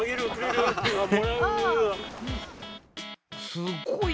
すごいね。